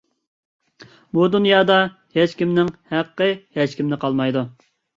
بۇ دۇنيادا ھېچكىمنىڭ ھەققى ھېچكىشىدە قالمايدۇ.